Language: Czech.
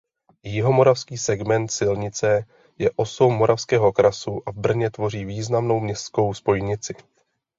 Jihomoravský segment silnice je osou Moravského krasu a v Brně tvoří významnou městskou spojnici.